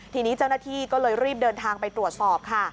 ทีนี้เจ้าหน้าที่ก็เลยรีบเดินทางไปตรวจสอบค่ะ